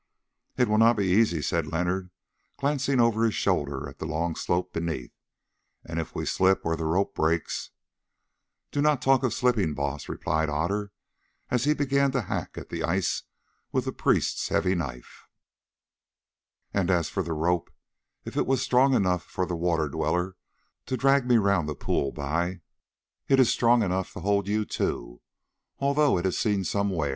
"It will not be easy," said Leonard, glancing over his shoulder at the long slope beneath, "and if we slip or the rope breaks——" "Do not talk of slipping, Baas," replied Otter, as he began to hack at the ice with the priest's heavy knife, "and as for the rope, if it was strong enough for the Water Dweller to drag me round the pool by, it is strong enough to hold you two, although it has seen some wear.